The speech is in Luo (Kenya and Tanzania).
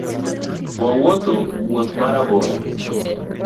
Wawuotho wuoth marabora